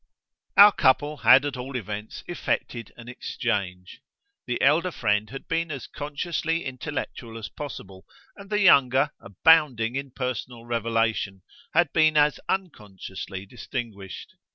Our couple had at all events effected an exchange; the elder friend had been as consciously intellectual as possible, and the younger, abounding in personal revelation, had been as unconsciously distinguished.